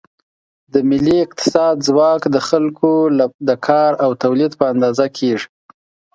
د ملي اقتصاد ځواک د خلکو د کار او تولید په اندازه کېږي.